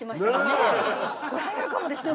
これはやるかもですね！